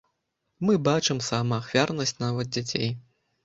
Мы бачым самаахвярнасць нават дзяцей.